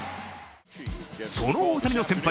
その大谷の先輩